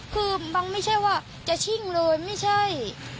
คือมันไม่ใช่ว่าจะชิ่งเลยไม่ใช่